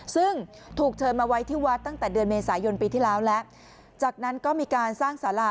ซึ่งถูกเชิญมาไว้ที่วัดตั้งแต่เดือนเมษายนปีที่แล้วแล้วจากนั้นก็มีการสร้างสารา